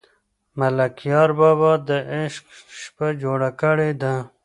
ملکیار بابا د عشق شپه جوړه کړې ده.